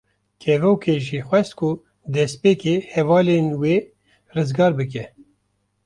Kevokê jê xwest ku destpêkê hevalên wê rizgar bike.